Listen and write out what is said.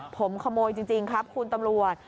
ผมขโมยจริงครับคุณตำรวจ